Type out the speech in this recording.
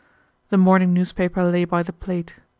The morning newspaper lay by the plate.